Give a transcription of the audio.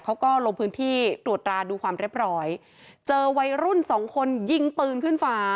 เขาก็ลงพื้นที่ตรวจราดูความเรียบร้อยเจอวัยรุ่นสองคนยิงปืนขึ้นฟ้า